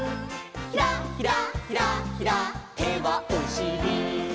「ひらひらひらひら」「手はおしり！」